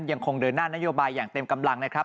ยังคงเดินหน้านโยบายอย่างเต็มกำลังนะครับ